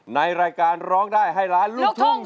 ในรายการร้องได้ให้ล้านลูกทุ่ง